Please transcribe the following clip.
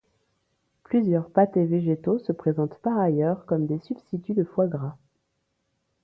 Plusieurs pâtés végétaux se présentent par ailleurs comme des substituts de foie gras.